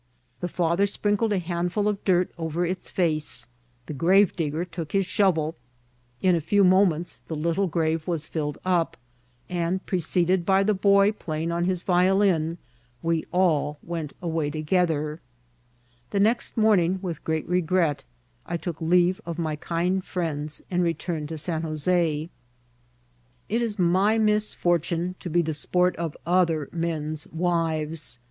The father sprinkled a handful of dirt over its &ce, the grave digger took lus shovel, in a few moments the lit tle grave was filled up, and preceded by the boy playing on his violin, we all went away together* The next morning, with great regret, I took leave of my kind friends and returned to San Jos^. It is my misfortune to be the sport of other men's wives.